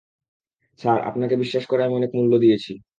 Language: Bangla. স্যার, আপনাকে বিশ্বাস করে আমি অনেক মূল্য দিয়েছি।